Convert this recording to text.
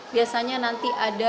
biasanya nanti ada